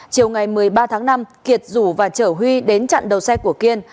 chiều ngày một mươi ba tháng năm kiệt rủ và chở huy đến chặn đầu xe của kiên